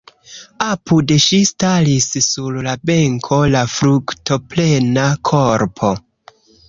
Apud ŝi staris sur la benko la fruktoplena korpo.